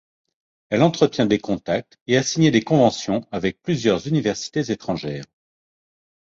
Elle entretient des contacts et a signé des conventions avec plusieurs universités étrangères.